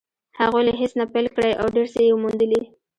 هغوی له هېڅ نه پيل کړی او ډېر څه يې موندلي.